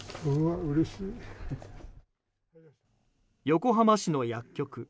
横浜市の薬局。